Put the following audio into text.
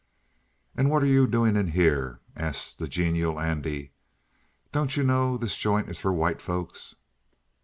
"And what are you doing in here?" asked the genial Andy. "Don't you know this joint is for white folks?"